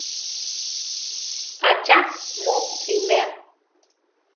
Atza mu simea? ‒.